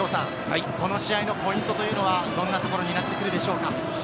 この試合のポイントというのは、どんなところになってくるでしょうか。